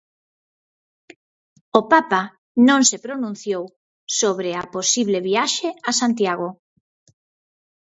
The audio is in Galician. O papa non se pronunciou sobre a posible viaxe a Santiago.